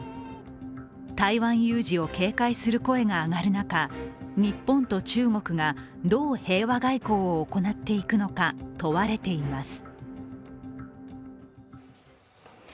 台湾有事を警戒する声が上がる中日本と中国が、どう平和外交を行っていくのか問われています。